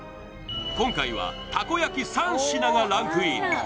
今回はたこ焼３品がランクイン